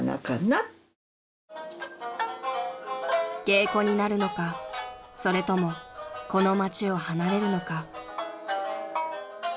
［芸妓になるのかそれともこの街を離れるのか］